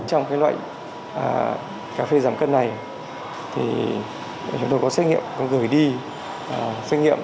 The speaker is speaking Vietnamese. với các loại cà phê giảm cân này thì chúng tôi có xét nghiệm có gửi đi xét nghiệm